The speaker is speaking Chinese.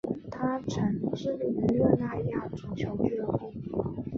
他曾效力于热那亚足球俱乐部。